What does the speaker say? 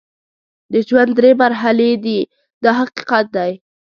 د ژوند درې مرحلې دي دا حقیقت دی.